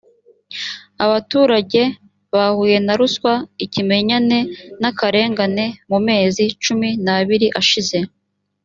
abaturage bahuye na ruswa ikimenyane n’akarengane mu mezi cumi n’abiri ashize